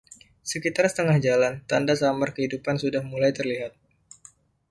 Sekitar setengah jalan, tanda samar kehidupan sudah mulai terlihat.